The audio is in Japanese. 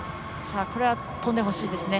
これは跳んでほしいですね。